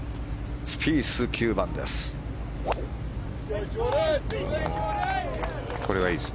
スピース、９番です。